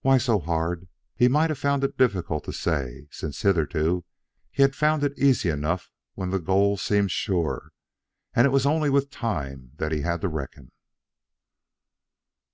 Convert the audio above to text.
Why so hard, he might have found it difficult to say, since hitherto he had found it easy enough when the goal seemed sure and it was only with time he had to reckon!